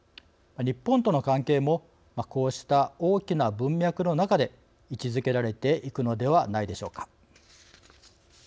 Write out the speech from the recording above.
日本との関係もこうした大きな文脈の中で位置づけられていくのではないでしょうか。